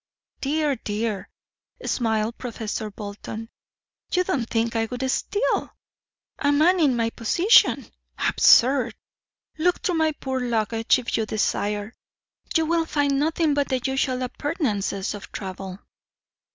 "Dear, dear," smiled Professor Bolton, "you don't think I would steal? A man in my position? Absurd. Look through my poor luggage if you desire. You will find nothing but the usual appurtenances of travel."